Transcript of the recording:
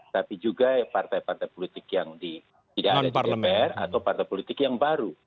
tapi juga partai partai politik yang tidak ada di dpr atau partai politik yang baru